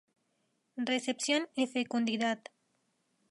Recepción y fecundidad.